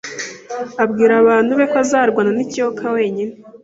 abwira abantu be ko azarwana nikiyoka wenyine